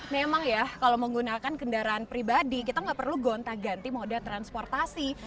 memang ya kalau menggunakan kendaraan pribadi kita nggak perlu gonta ganti moda transportasi